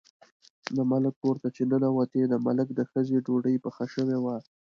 د ملک کور ته چې ننوتې، د ملک د ښځې ډوډۍ پخه شوې وه.